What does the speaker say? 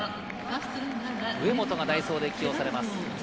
上本が代走で起用されます。